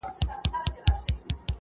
يو لوى باز يې خوشي كړى وو هوا كي!.